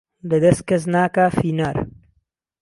له دهست کهس ناکا فينار